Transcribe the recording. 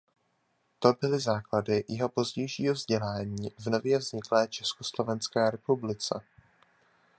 To byly základy jeho pozdějšího povolání v nově vzniklé Československé republice.